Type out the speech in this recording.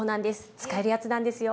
使えるやつなんですよ！